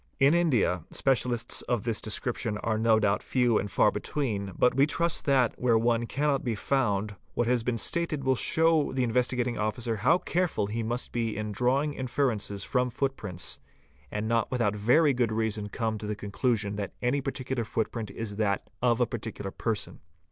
In India, specialists of this description | are no doubt few and far between, but we trust that, where one cannot _ be found, what has been stated will show the Investigating Officer how careful he must be in drawing inferences from footprints, and not with out very good reason come to the conclusion that any particular footprint is that of a particular person.